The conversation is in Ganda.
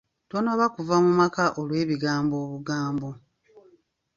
Tonoba kuva mu maka olw'ebigambo obugambo.